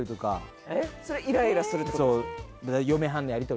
それイライラするってことですか？